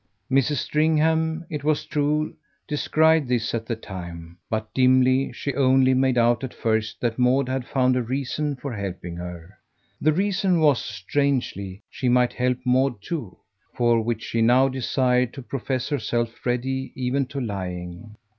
Mrs. Stringham, it was true, descried this at the time but dimly; she only made out at first that Maud had found a reason for helping her. The reason was that, strangely, she might help Maud too, for which she now desired to profess herself ready even to lying.